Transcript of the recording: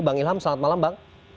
bang ilham selamat malam bang